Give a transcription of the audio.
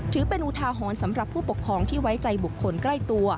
ถือเป็นอุทาหรณ์สำหรับผู้ปกครองที่ไว้ใจบุคคลใกล้ตัว